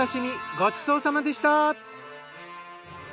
ごちそうさまでした。